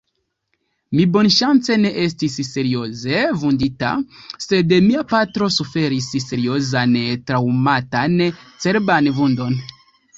Mi bonŝance ne estis serioze vundita, sed mia patro suferis seriozan traŭmatan cerban vundon.